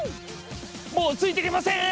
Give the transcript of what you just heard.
もうついていけません！